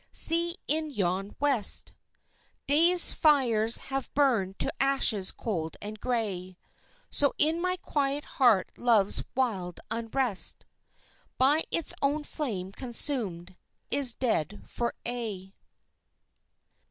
See in yon West Day's fires have burned to ashes cold and gray; So in my quiet heart love's wild unrest By its own flame consumed, is dead for aye.